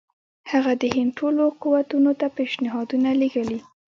هغه د هند ټولو قوتونو ته پېشنهادونه لېږلي.